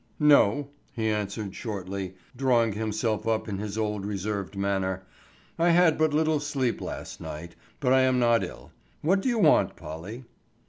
"No," he answered shortly, drawing himself up in his old reserved manner. "I had but little sleep last night, but I am not ill. What do you want, Polly?"